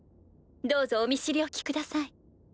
どうぞお見知りおきください。